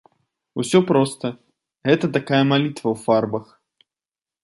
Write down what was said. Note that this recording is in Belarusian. Усё проста, гэта такая малітва ў фарбах.